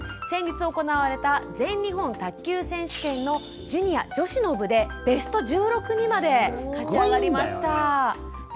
先日行われた全日本卓球選手権のジュニア女子の部でベスト１６にまで勝ち上がりました。